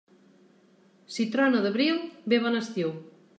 Si trona d'abril, ve bon estiu.